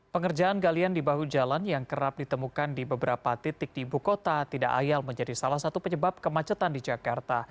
pengerjaan galian di bahu jalan yang kerap ditemukan di beberapa titik di ibu kota tidak ayal menjadi salah satu penyebab kemacetan di jakarta